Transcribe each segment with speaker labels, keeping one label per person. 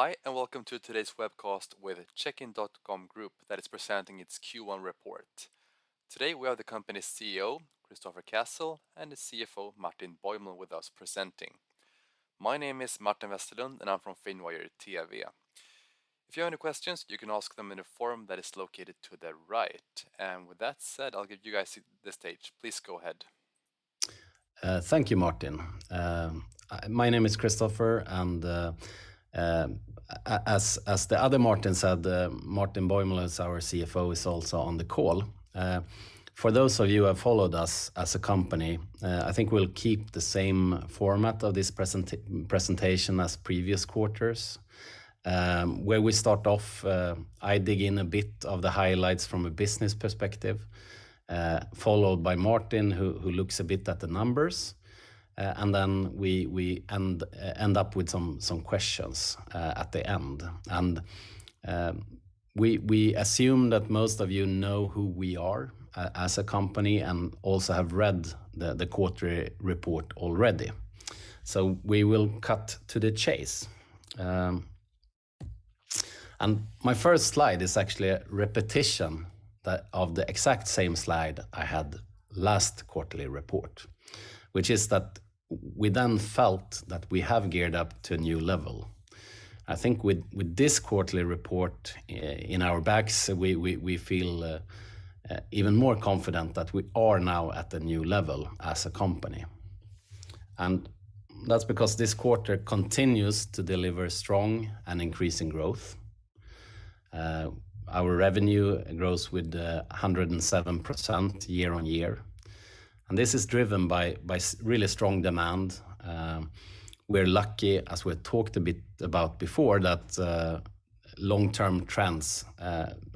Speaker 1: Hi, and welcome to today's webcast with Checkin.com Group that is presenting its Q1 report. Today we have the company's CEO, Kristoffer Cassel, and the CFO, Martin Bäuml, with us presenting. My name is Martin Westerlund and I'm from Finwire.tv. If you have any questions, you can ask them in a forum that is located to the right. With that said, I'll give you guys the stage. Please go ahead.
Speaker 2: Thank you, Martin. My name is Kristoffer, and as the other Martin said, Martin Bäuml, our CFO, is also on the call. For those of you who have followed us as a company, I think we'll keep the same format of this presentation as previous quarters, where we start off, I dig in a bit of the highlights from a business perspective, followed by Martin, who looks a bit at the numbers, and then we end up with some questions at the end. We assume that most of you know who we are as a company and also have read the quarterly report already. We will cut to the chase. My first slide is actually a repetition of the exact same slide I had last quarterly report, which is that we then felt that we have geared up to a new level. I think with this quarterly report in our backs, we feel even more confident that we are now at a new level as a company. That's because this quarter continues to deliver strong and increasing growth. Our revenue grows with 107% year-on-year, and this is driven by really strong demand. We're lucky, as we talked a bit about before, that long-term trends,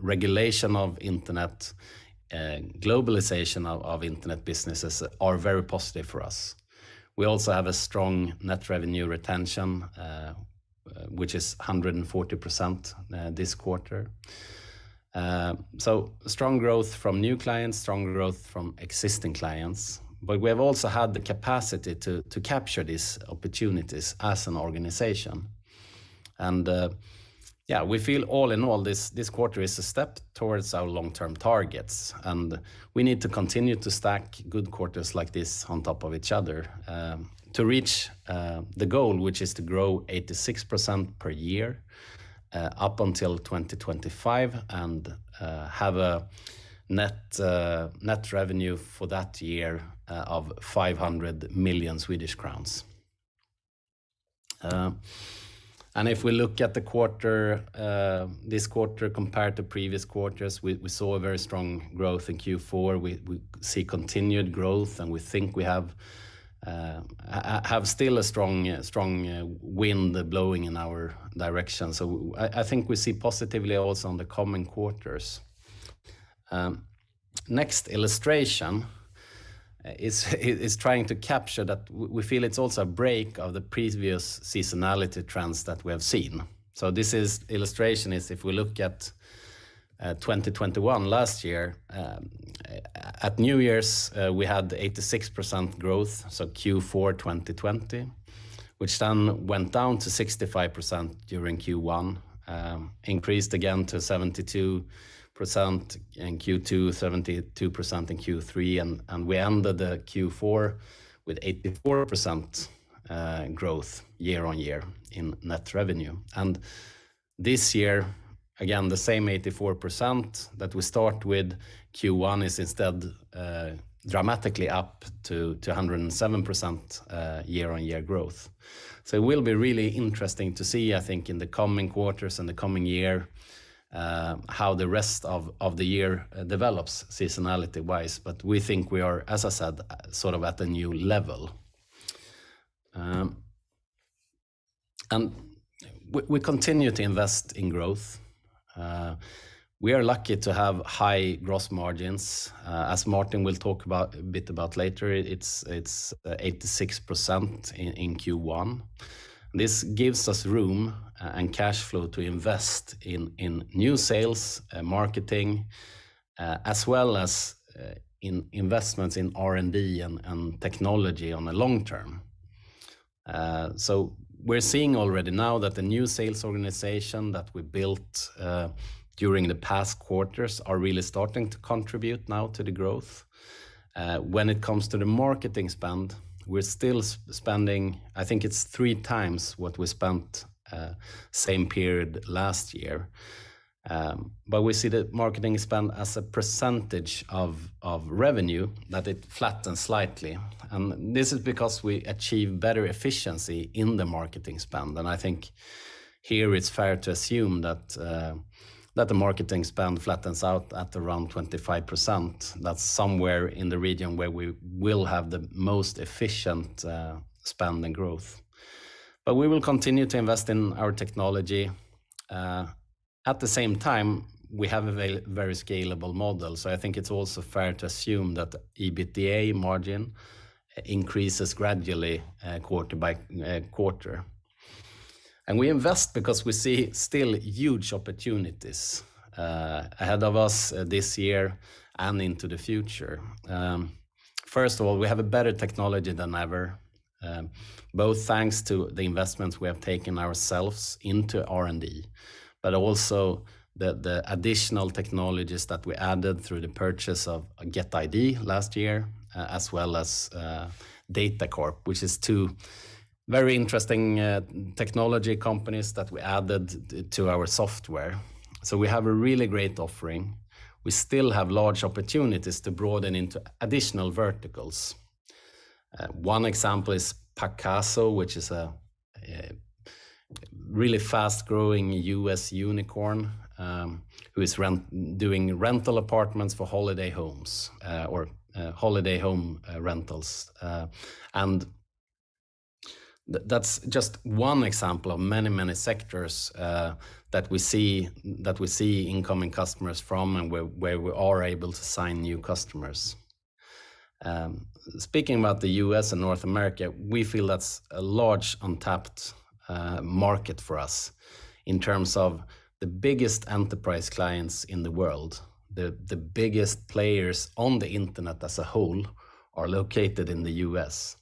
Speaker 2: regulation of internet, globalization of internet businesses are very positive for us. We also have a strong Net Revenue Retention, which is 140% this quarter. Strong growth from new clients, strong growth from existing clients. We have also had the capacity to capture these opportunities as an organization. We feel all in all, this quarter is a step towards our long-term targets, and we need to continue to stack good quarters like this on top of each other to reach the goal, which is to grow 86% per year up until 2025 and have a net revenue for that year of 500 million Swedish crowns. If we look at the quarter, this quarter compared to previous quarters, we saw a very strong growth in Q4. We see continued growth, and we think we have still a strong wind blowing in our direction. I think we see positively also on the coming quarters. Next illustration is trying to capture that we feel it's also a break of the previous seasonality trends that we have seen. This illustration is if we look at 2021 last year, at New Year's, we had 86% growth, so Q4 2020, which then went down to 65% during Q1, increased again to 72% in Q2, 72% in Q3, and we ended Q4 with 84% growth year-on-year in net revenue. This year, again, the same 84% that we start with Q1 is instead dramatically up to 207% year-on-year growth. It will be really interesting to see, I think, in the coming quarters and the coming year, how the rest of the year develops seasonality-wise. We think we are, as I said, sort of at a new level. We continue to invest in growth. We are lucky to have high gross margins. As Martin will talk about a bit later, it's 86% in Q1. This gives us room and cash flow to invest in new sales, marketing, as well as in investments in R&D and technology on the long term. We're seeing already now that the new sales organization that we built during the past quarters are really starting to contribute now to the growth. When it comes to the marketing spend, we're still spending. I think it's three times what we spent, same period last year. We see the marketing spend as a percentage of revenue that it flattened slightly. This is because we achieve better efficiency in the marketing spend. I think here it's fair to assume that the marketing spend flattens out at around 25%. That's somewhere in the region where we will have the most efficient spend and growth. We will continue to invest in our technology. At the same time, we have a very scalable model. I think it's also fair to assume that EBITDA margin increases gradually, quarter by quarter. We invest because we see still huge opportunities ahead of us this year and into the future. First of all, we have a better technology than ever, both thanks to the investments we have taken ourselves into R&D, but also the additional technologies that we added through the purchase of GetID last year, as well as DATACORP, which is two very interesting technology companies that we added to our software. We have a really great offering. We still have large opportunities to broaden into additional verticals. One example is Pacaso, which is a really fast-growing U.S. unicorn, who is doing rental apartments for holiday homes or holiday home rentals. That's just one example of many sectors that we see incoming customers from and where we are able to sign new customers. Speaking about the U.S., and North America, we feel that's a large untapped market for us in terms of the biggest enterprise clients in the world. The biggest players on the internet as a whole are located in the U.S.,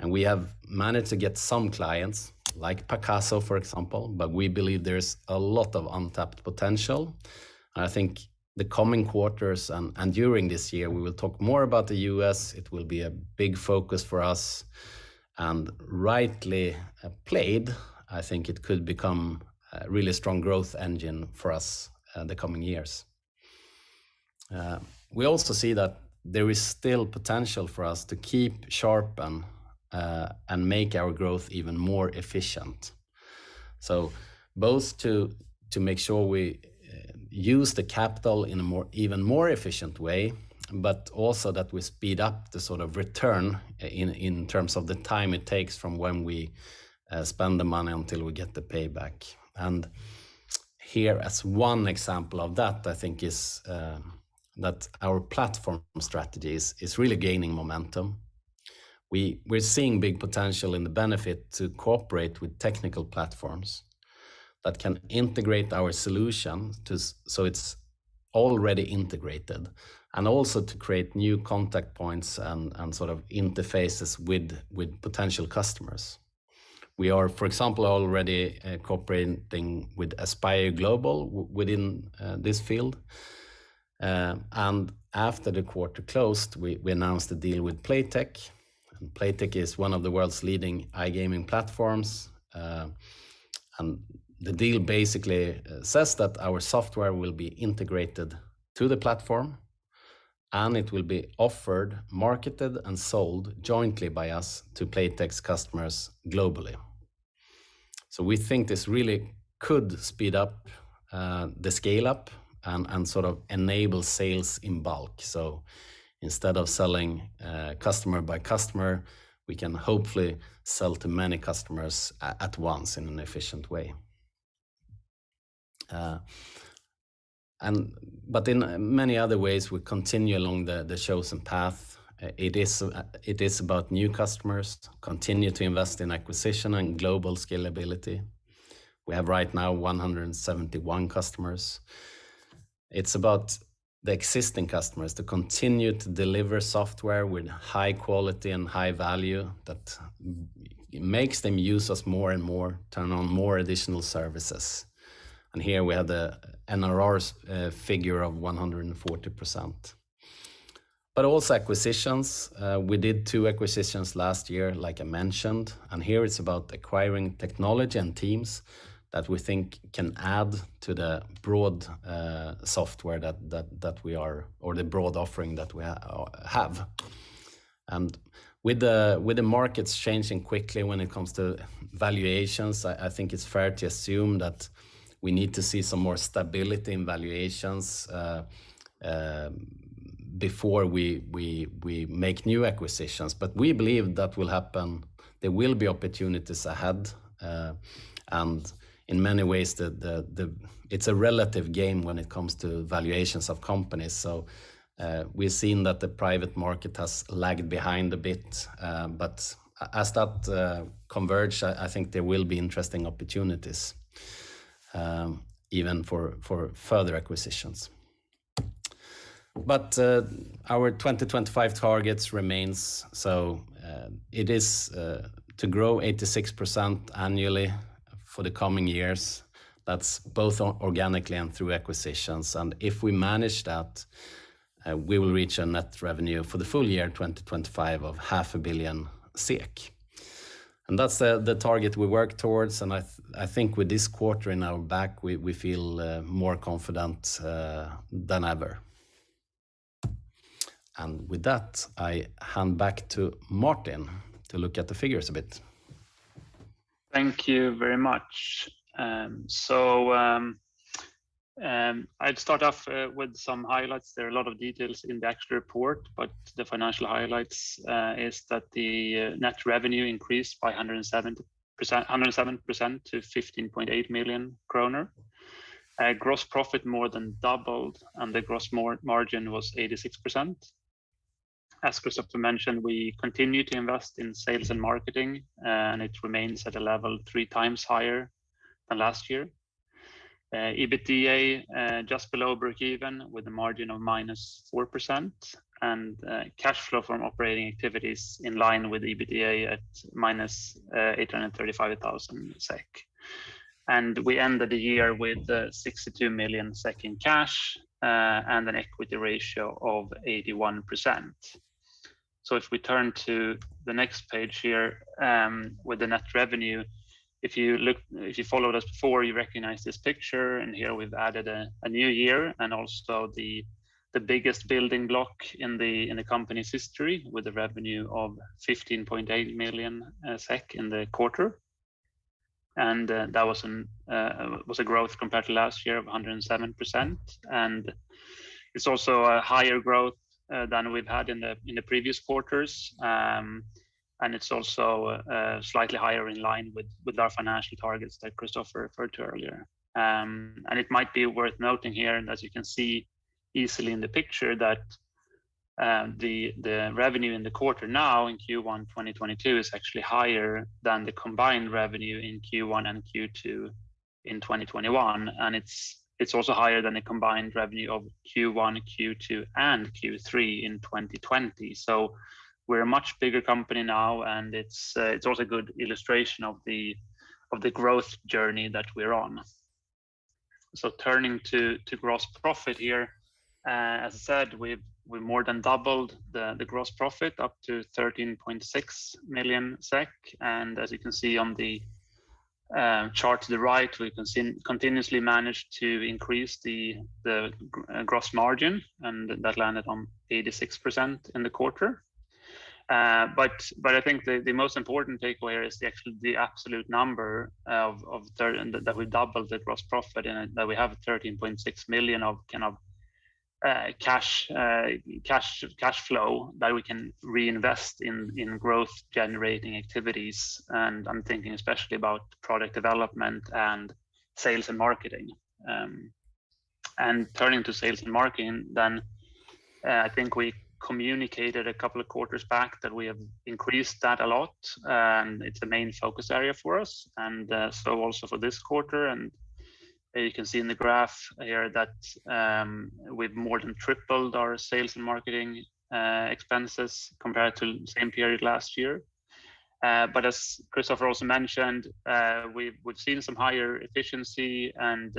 Speaker 2: and we have managed to get some clients, like Pacaso, for example, but we believe there's a lot of untapped potential. I think the coming quarters and during this year we will talk more about the U.S. It will be a big focus for us and rightly played, I think it could become a really strong growth engine for us, the coming years. We also see that there is still potential for us to keep sharp and make our growth even more efficient. Both to make sure we use the capital in an even more efficient way, but also that we speed up the sort of return in terms of the time it takes from when we spend the money until we get the payback. Here, as one example of that, I think is that our platform strategies is really gaining momentum. We're seeing big potential in the benefit to cooperate with technical platforms that can integrate our solution so it's already integrated and also to create new contact points and sort of interfaces with potential customers. We are, for example, already cooperating with Aspire Global within this field. After the quarter closed, we announced a deal with Playtech and Playtech is one of the world's leading iGaming platforms. The deal basically says that our software will be integrated to the platform, and it will be offered, marketed and sold jointly by us to Playtech's customers globally. We think this really could speed up the scale-up and sort of enable sales in bulk. Instead of selling customer by customer, we can hopefully sell to many customers at once in an efficient way. In many other ways, we continue along the chosen path. It is about new customers, continue to invest in acquisition and global scalability. We have right now 171 customers. It's about the existing customers to continue to deliver software with high quality and high value that makes them use us more and more, turn on more additional services. Here we have the NRR figure of 140%. Also acquisitions. We did two acquisitions last year, like I mentioned, and here it's about acquiring technology and teams that we think can add to the broad software or the broad offering that we have. With the markets changing quickly when it comes to valuations, I think it's fair to assume that we need to see some more stability in valuations before we make new acquisitions. We believe that will happen. There will be opportunities ahead, and in many ways it's a relative game when it comes to valuations of companies. We've seen that the private market has lagged behind a bit, but as that converge, I think there will be interesting opportunities, even for further acquisitions. Our 2025 targets remains, it is to grow 86% annually for the coming years. That's both organically and through acquisitions. If we manage that, we will reach a net revenue for the full year 2025 of 500 SEK million. That's the target we work towards, and I think with this quarter in our back, we feel more confident than ever. With that, I hand back to Martin to look at the figures a bit.
Speaker 3: Thank you very much. I'd start off with some highlights. There are a lot of details in the actual report, but the financial highlights is that the net revenue increased by 107% to 15.8 million kronor. Gross profit more than doubled, and the gross margin was 86%. As Kristoffer mentioned, we continue to invest in sales and marketing, and it remains at a level three times higher than last year. EBITDA just below breakeven with a margin of -4% and cash flow from operating activities in line with EBITDA at -835,000 SEK. We ended the year with 62 million SEK in cash and an equity ratio of 81%. If we turn to the next page here, with the net revenue, if you followed us before, you recognize this picture, and here we've added a new year and also the biggest building block in the company's history with a revenue of 15.8 million SEK in the quarter. That was a growth compared to last year of 107%. It's also a higher growth than we've had in the previous quarters. It's also slightly higher in line with our financial targets that Kristoffer referred to earlier. It might be worth noting here, and as you can see easily in the picture, that the revenue in the quarter now in Q1 2022 is actually higher than the combined revenue in Q1 and Q2 in 2021. It's also higher than the combined revenue of Q1, Q2, and Q3 in 2020. We're a much bigger company now, and it's also a good illustration of the growth journey that we're on. Turning to gross profit here, as I said, we've more than doubled the gross profit up to 13.6 million SEK. As you can see on the chart to the right, we continuously managed to increase the gross margin, and that landed on 86% in the quarter. I think the most important takeaway here is the absolute number and that we've doubled the gross profit and that we have 13.6 million of kind of cash flow that we can reinvest in growth-generating activities. I'm thinking especially about product development and sales and marketing. Turning to sales and marketing, then, I think we communicated a couple of quarters back that we have increased that a lot, and it's a main focus area for us also for this quarter. You can see in the graph here that we've more than tripled our sales and marketing expenses compared to the same period last year. As Kristoffer also mentioned, we've seen some higher efficiency and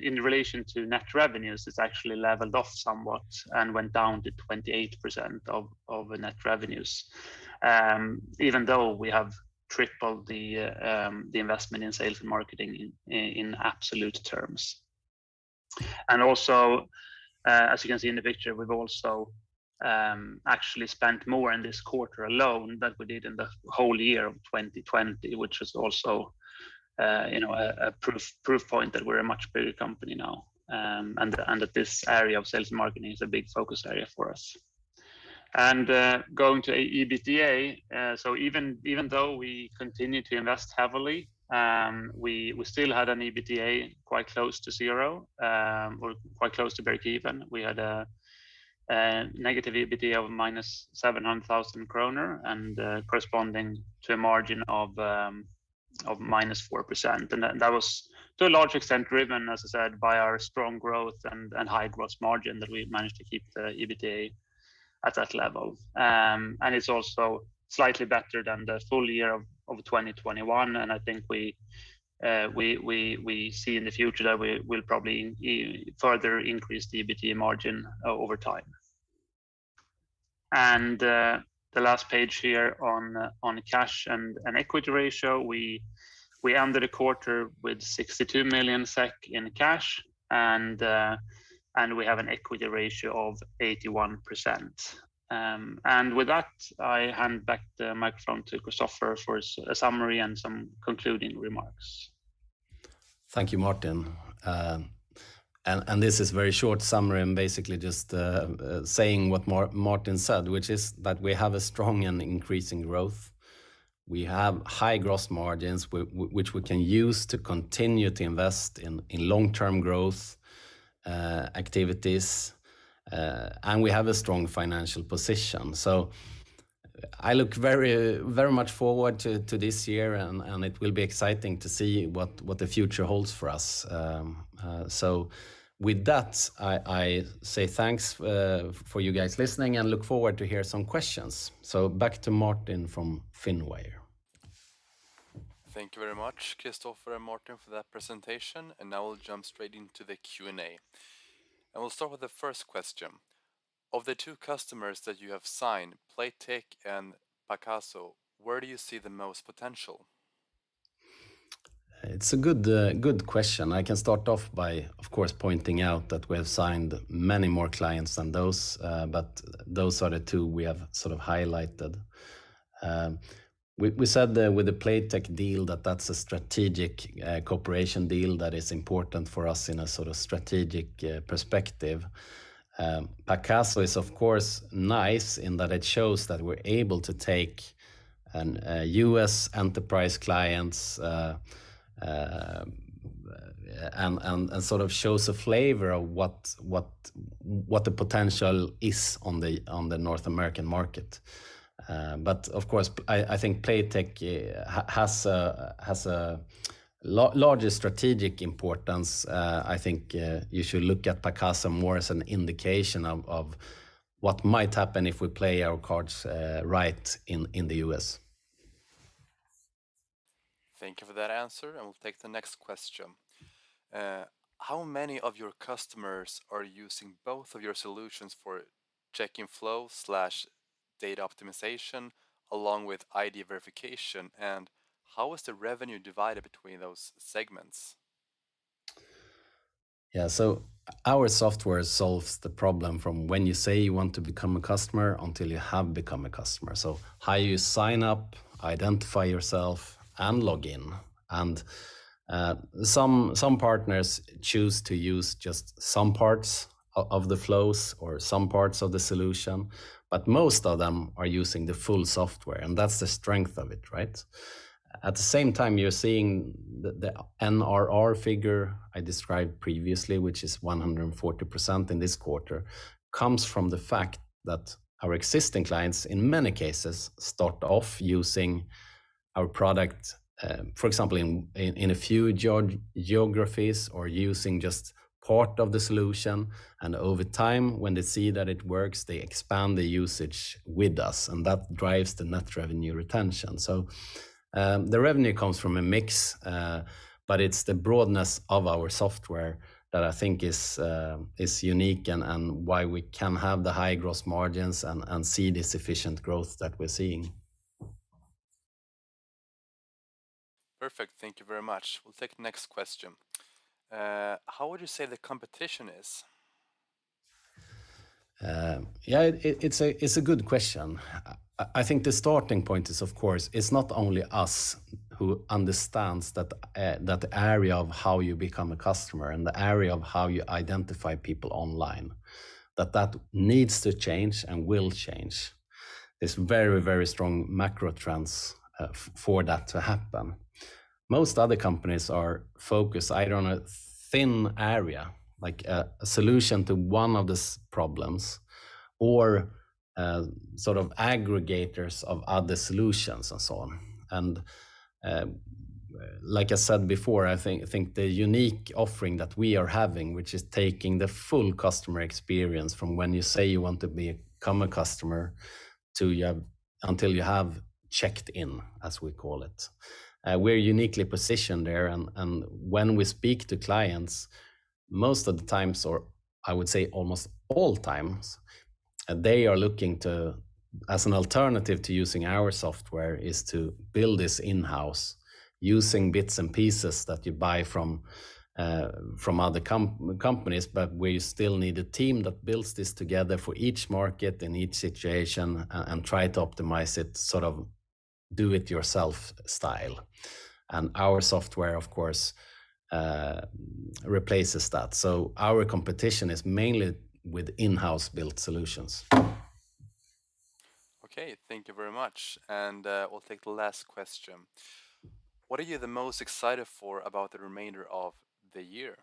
Speaker 3: in relation to net revenues, it's actually leveled off somewhat and went down to 28% of the net revenues, even though we have tripled the investment in sales and marketing in absolute terms. As you can see in the picture, we've also actually spent more in this quarter alone than we did in the whole year of 2020, which is also, you know, a proof point that we're a much bigger company now, and that this area of sales and marketing is a big focus area for us. Going to EBITDA, so even though we continued to invest heavily, we still had an EBITDA quite close to zero, or quite close to breakeven. We had a negative EBITDA of -700,000 kronor corresponding to a margin of -4%. That was to a large extent driven, as I said, by our strong growth and high gross margin that we've managed to keep the EBITDA at that level. It's also slightly better than the full year of 2021, and I think we see in the future that we will probably further increase the EBITDA margin over time. The last page here on cash and equity ratio, we ended the quarter with 62 million SEK in cash, and we have an equity ratio of 81%. With that, I hand back the microphone to Kristoffer for a summary and some concluding remarks.
Speaker 2: Thank you, Martin. This is very short summary. I'm basically just saying what Martin said, which is that we have a strong and increasing growth. We have high gross margins which we can use to continue to invest in long-term growth activities, and we have a strong financial position. I look very much forward to this year, and it will be exciting to see what the future holds for us. With that, I say thanks for you guys listening and look forward to hear some questions. Back to Martin from Finwire.
Speaker 1: Thank you very much, Kristoffer and Martin, for that presentation. Now we'll jump straight into the Q&A. We'll start with the first question. Of the two customers that you have signed, Playtech and Pacaso, where do you see the most potential?
Speaker 2: It's a good question. I can start off by, of course, pointing out that we have signed many more clients than those, but those are the two we have sort of highlighted. We said that with the Playtech deal that's a strategic cooperation deal that is important for us in a sort of strategic perspective. Pacaso is, of course, nice in that it shows that we're able to take a U.S. enterprise clients and sort of shows a flavor of what the potential is on the North American market. Of course, I think Playtech has a larger strategic importance. I think you should look at Pacaso more as an indication of what might happen if we play our cards right in the U.S.
Speaker 1: Thank you for that answer, and we'll take the next question. How many of your customers are using both of your solutions for check-in flow/data optimization along with ID verification, and how is the revenue divided between those segments?
Speaker 2: Yeah. Our software solves the problem from when you say you want to become a customer until you have become a customer. How you sign up, identify yourself, and log in. Some partners choose to use just some parts of the flows or some parts of the solution, but most of them are using the full software, and that's the strength of it, right? At the same time, you're seeing the NRR figure I described previously, which is 140% in this quarter, comes from the fact that our existing clients, in many cases, start off using our product, for example, in a few geographies or using just part of the solution. Over time, when they see that it works, they expand the usage with us, and that drives the net revenue retention. The revenue comes from a mix, but it's the broadness of our software that I think is unique and why we can have the high gross margins and see this efficient growth that we're seeing.
Speaker 1: Perfect. Thank you very much. We'll take the next question. How would you say the competition is?
Speaker 2: It's a good question. I think the starting point is, of course, it's not only us who understands that area of how you become a customer and the area of how you identify people online, that needs to change and will change. There's very strong macro trends for that to happen. Most other companies are focused either on a thin area, like a solution to one of the problems or sort of aggregators of other solutions and so on. Like I said before, I think the unique offering that we are having, which is taking the full customer experience from when you say you want to become a customer until you have checked in, as we call it. We're uniquely positioned there and when we speak to clients, most of the times, or I would say almost all times, they are looking to, as an alternative to using our software, is to build this in-house using bits and pieces that you buy from other companies, but where you still need a team that builds this together for each market in each situation and try to optimize it, sort of do it yourself style. Our software, of course, replaces that. Our competition is mainly with in-house built solutions.
Speaker 1: Okay. Thank you very much. We'll take the last question. What are you the most excited for about the remainder of the year?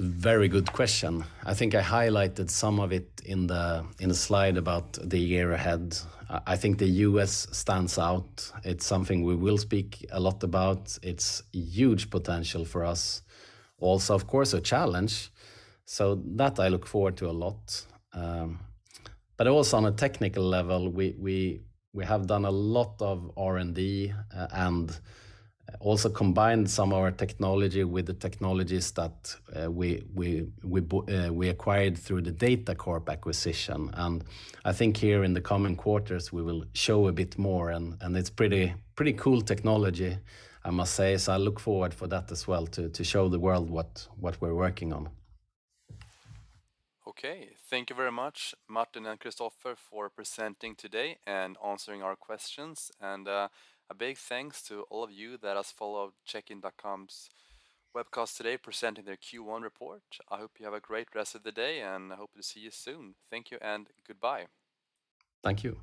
Speaker 2: Very good question. I think I highlighted some of it in the slide about the year ahead. I think the U.S. stands out. It's something we will speak a lot about. It's huge potential for us. Also, of course, a challenge. That I look forward to a lot. But also on a technical level, we have done a lot of R&D and also combined some of our technology with the technologies that we acquired through the DATACORP and its co-workers are specialized in developing AI software for image analysis based on neural network algorithms, computer vision and machine acquisition. I think here in the coming quarters, we will show a bit more and it's pretty cool technology, I must say. I look forward for that as well to show the world what we're working on.
Speaker 1: Okay. Thank you very much, Martin and Kristoffer, for presenting today and answering our questions. A big thanks to all of you that has followed Checkin.com's webcast today presenting their Q1 report. I hope you have a great rest of the day, and I hope to see you soon. Thank you and goodbye.
Speaker 2: Thank you.